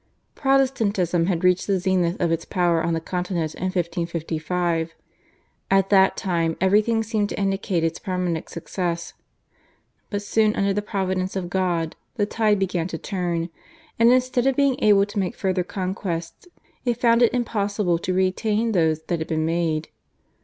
Protestantism had reached the zenith of its power on the Continent in 1555. At that time everything seemed to indicate its permanent success, but soon under the Providence of God the tide began to turn, and instead of being able to make further conquests it found it impossible to retain those that had been made.